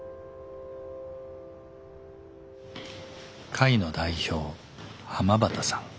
会の代表濱端さん。